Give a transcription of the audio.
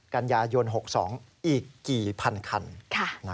กันยายน๖๒อีกกี่พันคัน